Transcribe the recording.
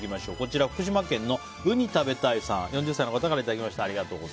福島県の４０歳の方からいただきました。